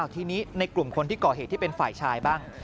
ทีนี้ในกลุ่มคนที่ก่อเหตุที่เป็นฝ่ายชายบ้าง